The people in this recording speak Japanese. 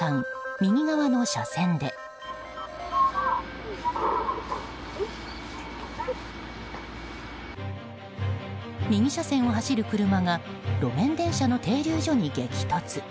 右車線を走る車が路面電車の停留所に激突。